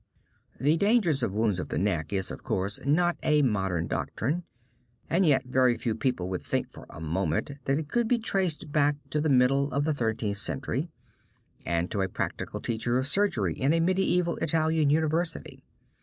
The danger of wounds of the neck is, of course, not a modern doctrine, and yet very few people would think for a moment that it could be traced back to the middle of the Thirteenth Century and to a practical teacher of surgery in a medieval Italian university.